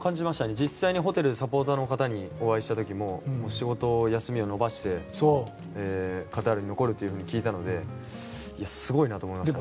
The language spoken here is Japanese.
実際にホテルでサポーターの方にお会いした時も仕事の休みを延ばしてカタールに残ると聞いたのですごいなと思いましたね。